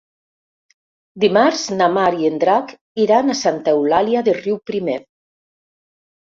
Dimarts na Mar i en Drac iran a Santa Eulàlia de Riuprimer.